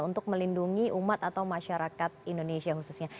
untuk melindungi umat atau masyarakat indonesia khususnya